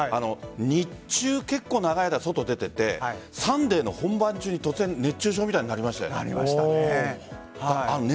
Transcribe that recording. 日中、結構長い間外に出てて「サンデー」の本番中に突然、熱中症になりましたよね。